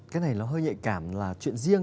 cái này nó hơi nhạy cảm là chuyện riêng